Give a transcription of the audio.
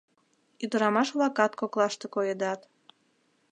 Ӱдырамаш-влакат коклаште коедат.